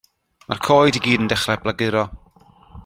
Mae'r coed i gyd yn dechrau blaguro.